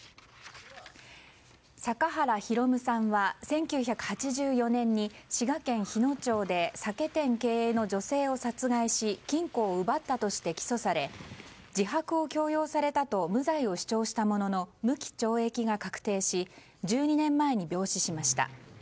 阪原弘さんは１９８４年に滋賀県日野町で酒店経営の女性を殺害し金庫を奪ったとして起訴され自白を強要されたと無罪を主張したものの無期懲役が確定し１２年前に病死しました。